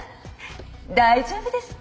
大丈夫ですか？